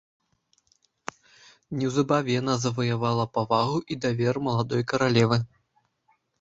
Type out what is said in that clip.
Неўзабаве яна заваявала павагу і давер маладой каралевы.